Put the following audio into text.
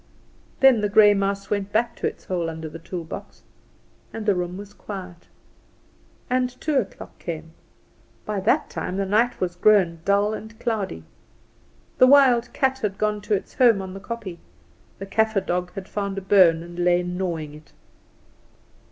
Then the grey mouse went back to its hole under the toolbox, and the room was quiet. And two o'clock came. By that time the night was grown dull and cloudy. The wild cat had gone to its home on the kopje; the Kaffer dog had found a bone, and lay gnawing it.